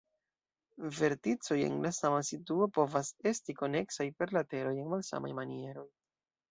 Verticoj en la sama situo povas esti koneksaj per lateroj en malsamaj manieroj.